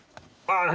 何？